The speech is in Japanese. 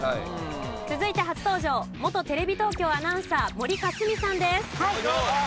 続いて初登場元テレビ東京アナウンサー森香澄さんです。